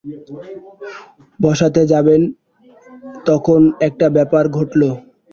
বসাতে যাবেন, তখন একটা ব্যাপার ঘটল।